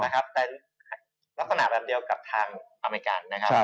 แต่ลักษณะแบบเดียวกับทางอเมริกันนะครับ